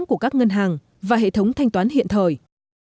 của các ngân hàng và hệ thống thanh toán hiện thời